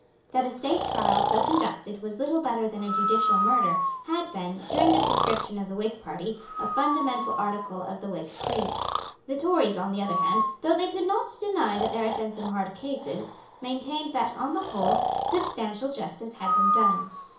That a state trial so conducted was little better than a judicial murder had been, during the proscription of the Whig party, a fundamental article of the Whig creed. The Tories, on the other hand, though they could not deny that there had been some hard cases, maintained that, on the whole, substantial justice had been done.